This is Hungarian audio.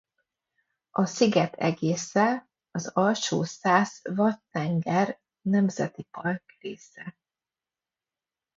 A sziget egésze az Alsó-Szász Watt-tenger Nemzeti Park része.